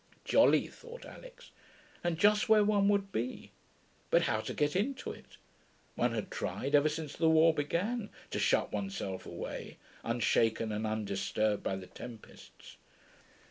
Jolly, thought Alix, and just where one would be: but how to get into it? One had tried, ever since the war began, to shut oneself away, unshaken and undisturbed by the tempests.